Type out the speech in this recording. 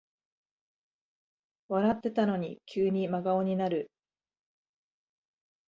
笑ってたのに急に真顔になる